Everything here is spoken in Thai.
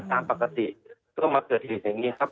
ตามปกติก็ต้องมาเกิดเหตุอย่างนี้ครับ